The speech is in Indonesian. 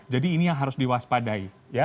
jadi ini yang harus diwaspadai